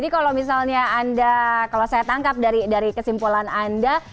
kalau misalnya anda kalau saya tangkap dari kesimpulan anda